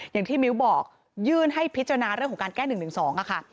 อย่างที่มิ้วบอกยื่นให้พิจารณาเรื่องของการแก้๑๑๒ค่ะ